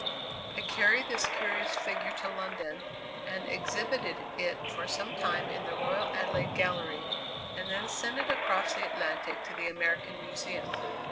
I carried this curious figure to London and exhibited it for some time in the Royal Adelaide Gallery, and then sent it across the Atlantic to the American Museum.